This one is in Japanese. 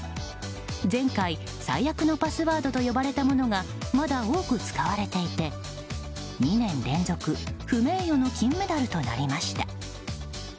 前回、最悪のパスワードと呼ばれたものがまだ多く使われていて２年連続不名誉の金メダルとなりました。